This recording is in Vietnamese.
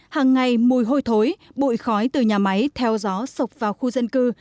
hằng ngày mùi hôi thối bụi khói từ nhà máy theo gió sọc vào khu dân cư